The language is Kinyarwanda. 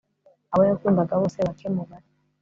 abo yakundaga bose, bake mubare